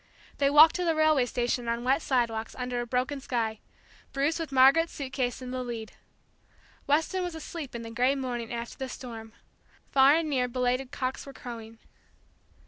They walked to the railway station on wet sidewalks, under a broken sky, Bruce, with Margaret's suit case, in the lead. Weston was asleep in the gray morning, after the storm. Far and near belated cocks were crowing.